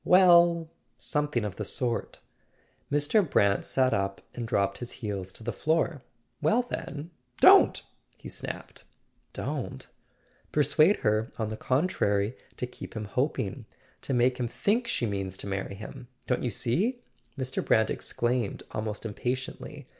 "Well—something of the sort." Mr. Brant sat up and dropped his heels to the floor. "Well, then— don't!" he snapped. "Don't ?" "Persuade her, on the contrary, to keep him hoping —to make him think she means to marry him. Don't you see?" Mr. Brant exclaimed, almost impatiently.